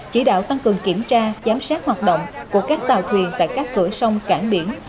chỉ đạo tăng cường kiểm tra giám sát hoạt động của các tàu thuyền tại các cửa sông cảng biển